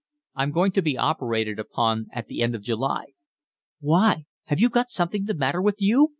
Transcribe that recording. I'm going to be operated upon at the end of July." "Why, have you got something the matter with you?"